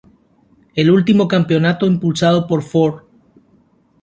El último campeonato impulsado por Ford.